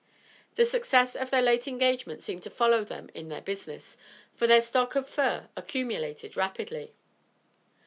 The success in their late engagement seemed to follow them in their business, for their stock of fur accumulated rapidly.